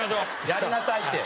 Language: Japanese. やりなさいって。